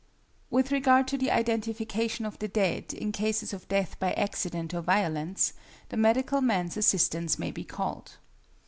With regard to the identification of the dead in cases of death by accident or violence, the medical man's assistance may be called.